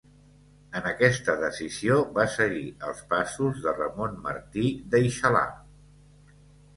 En aquesta decisió va seguir els passos de Ramon Martí d'Eixalà.